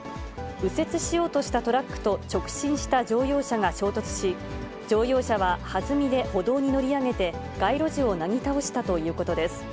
右折しようとしたトラックと直進した乗用車が衝突し、乗用車ははずみで歩道に乗り上げて、街路樹をなぎ倒したということです。